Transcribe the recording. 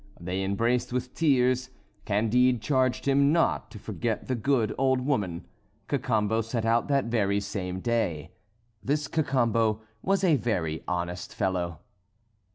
They embraced with tears; Candide charged him not to forget the good old woman. Cacambo set out that very same day. This Cacambo was a very honest fellow.